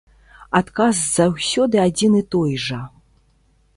Адказ заўсёды адзін і той жа.